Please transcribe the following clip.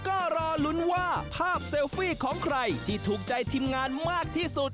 ก็รอลุ้นว่าภาพเซลฟี่ของใครที่ถูกใจทีมงานมากที่สุด